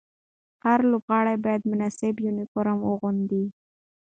هر لوبغاړی باید مناسب یونیفورم واغوندي.